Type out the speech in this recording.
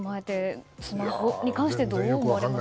スマホに関してどう思います？